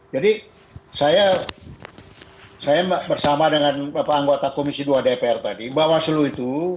jadi saya bersama dengan bapak anggota komisi dua dpr tadi bawah suluh itu